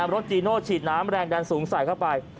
รถจีโน่ฉีดน้ำแรงดันสูงใส่เข้าไป